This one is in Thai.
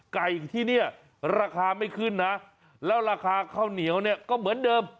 ไก่ที่เนี่ยราคาไม่ขึ้นนะแล้วราคาข้าวเหนียวเนี่ยก็เหมือนเดิม